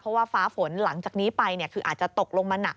เพราะว่าฟ้าฝนหลังจากนี้ไปคืออาจจะตกลงมาหนัก